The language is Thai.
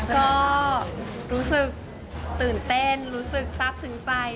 ก็รู้สึกตื่นเต้นรู้สึกทรัพย์สึงใจ